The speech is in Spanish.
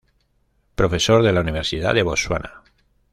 Profesor de la Universidad de Botsuana.